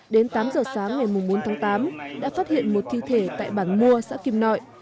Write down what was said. đến tám giờ sáng ngày bốn tháng tám đã phát hiện một thi thể tại bản mua xã kim nội